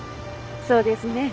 そうですね。